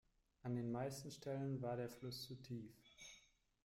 An den meisten Stellen war der Fluss zu tief.